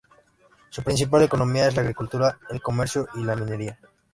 Su principal economía es la agricultura, el comercio y la minería.